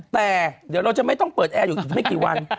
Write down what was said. แต่เดี๋ยวเราจะไม่ต้องเปิดแอร์อยู่อีกไม่กี่วัน